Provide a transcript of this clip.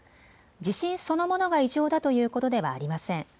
地震そのものが異常だということではありません。